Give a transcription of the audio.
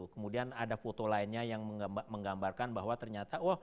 kemudian ada foto lainnya yang menggambarkan bahwa ternyata